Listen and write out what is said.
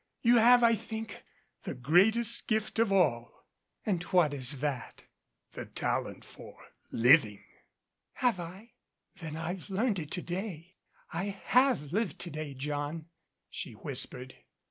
You have, I think, the greatest gift of all." "And what is that?" "The talent for living." "Have I? Then I've learned it to day. I have lived to day, John," she whispered.